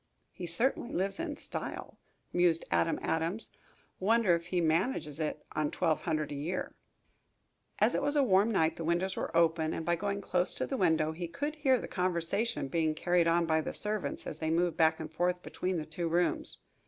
"He certainly lives in style," mused Adam Adams. "Wonder if he manages it on twelve hundred a year?" As it was a warm night the windows were open and by going close to the house he could hear the conversation being carried on by the servants as they moved back and forth between the two rooms.